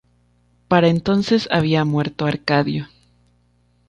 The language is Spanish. Para entonces había muerto Arcadio.